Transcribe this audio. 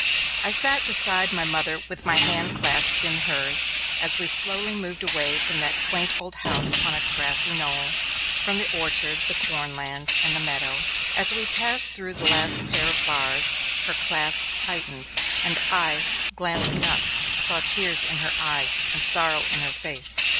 I sat beside my mother with my hand clasped in hers, as we slowly moved away from that quaint old house on its grassy knoll, from the orchard, the corn land, and the meadow; as we passed through the last pair of bars, her clasp tightened, and I, glancing up, saw tears in her eyes and sorrow in her face.